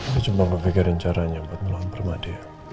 kiki cuma mau pikirin caranya untuk melawan permadiah